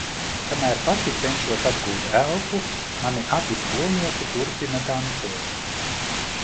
Kamēr pati cenšos atgūt elpu, mani abi skolnieki turpina dancot.